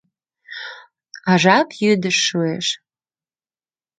А жап йӱдыш шуэш.